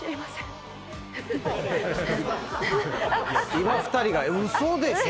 今２人が嘘でしょ